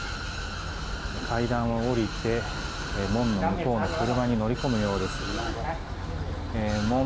階段を下りて、門の向こうの車に乗り込むようです。